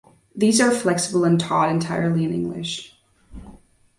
These are flexible and taught entirely in English.